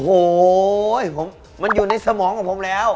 โอ้โหมันอยู่ในสมองของผมแล้ว